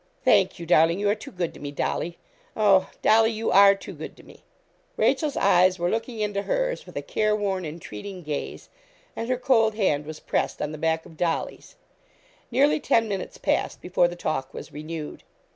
'Thank you, darling. You are too good to me, Dolly. Oh! Dolly, you are too good to me.' Rachel's eyes were looking into hers with a careworn, entreating gaze, and her cold hand was pressed on the back of Dolly's. Nearly ten minutes passed before the talk was renewed.